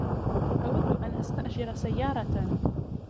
أود أن استأجر سيارة.